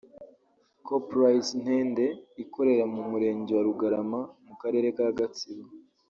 Coproriz Ntende ikorera mu Murenge wa Rugarama mu Karere ka Gatsibo